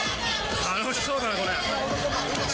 楽しそうだな、これ。